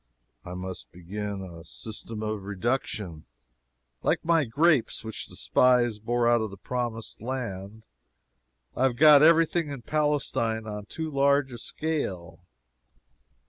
I must begin a system of reduction. Like my grapes which the spies bore out of the Promised Land, I have got every thing in Palestine on too large a scale.